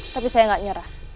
tapi saya gak nyerah